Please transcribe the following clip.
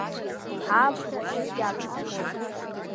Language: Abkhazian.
Ҳаамҭа зегьы аԥсахуеит.